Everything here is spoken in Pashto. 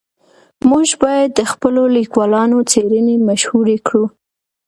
موږ باید د خپلو لیکوالانو څېړنې مشهورې کړو.